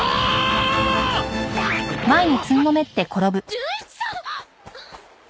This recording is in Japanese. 純一さん！